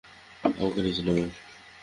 আমাকে নিচে নামাও।